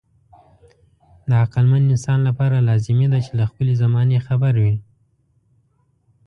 د عقلمن انسان لپاره لازمي ده چې له خپلې زمانې خبر وي.